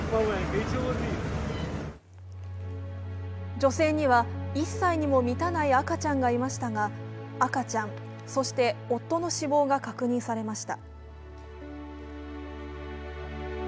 女性には１歳にも満たない赤ちゃんがいましたが、赤ちゃん、そして夫の死亡が確認されました。